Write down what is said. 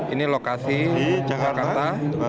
ini lokasi jakarta